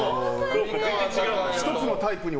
１つにタイプに